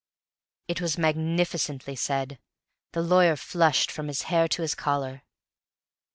It was magnificently said; the lawyer flushed from his hair to his collar.